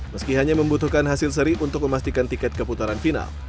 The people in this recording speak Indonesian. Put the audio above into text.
meski hanya membutuhkan hasil seri untuk memastikan tiket keputaran final